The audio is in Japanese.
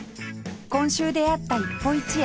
今週出会った一歩一会